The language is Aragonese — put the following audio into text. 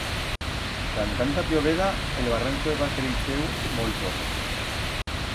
Dan tanta plloveda el barranco heba creixeu molto.